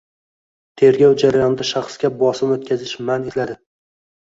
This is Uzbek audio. Tergov jarayonida shaxsga bosim o‘tkazish man etilading